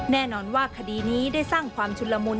แน่นอนว่าคดีนี้ได้สร้างความชุนละมุน